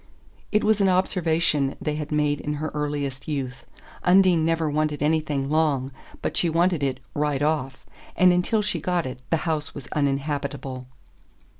It was an observation they had made in her earliest youth Undine never wanted anything long, but she wanted it "right off." And until she got it the house was uninhabitable.